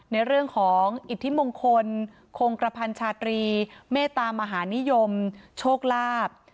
ในเรื่องของอิทธิมงคลคงกระพันชาตรีเมตามหานิยมโชคลาภ